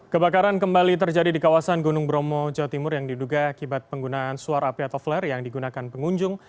kebakaran kembali terjadi di kawasan gunung bromo jawa timur yang diduga akibat penggunaan suar api atau flare yang digunakan pengunjung